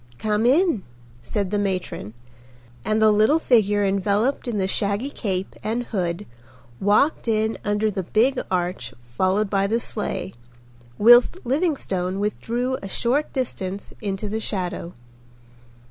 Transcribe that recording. "Come in," said the matron, and the little figure enveloped in the shaggy cape and hood walked in under the big arch followed by the sleigh, whilst Livingstone withdrew a short distance into the shadow.